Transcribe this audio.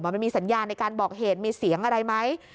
มันมีสัญญาณในการบอกเหตุมีเสียงอะไรไหม